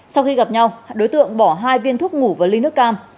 sau khi gặp nhau đối tượng bỏ hai viên thuốc ngủ và ly nước cam